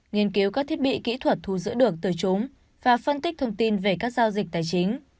nghiên cứu các thiết bị kỹ thuật thu giữ được từ chúng và phân tích thông tin về các giao dịch tài chính